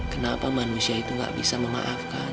kenapa manusia itu gak bisa memaafkan